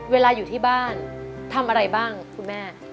อยู่ที่บ้านทำอะไรบ้างคุณแม่